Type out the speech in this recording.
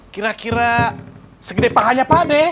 kira kira segede pahanya pade